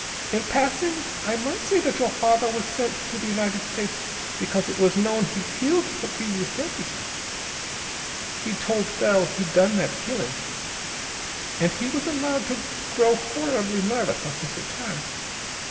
In passing, I might say that your father was sent to the United States because it was known he'd killed the previous deputy. He told Bell he'd done that killing. And he was allowed to grow horribly nervous on his return.